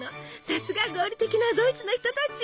さすが合理的なドイツの人たち！